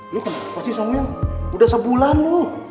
lo kenapa sih sama yang udah sebulan lo